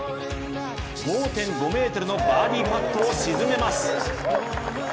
５．５ｍのバーディーパットを沈めます。